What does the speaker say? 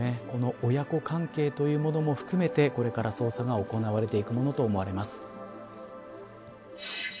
この親子関係というものを含めてこれから捜査が行われていくものと思われます。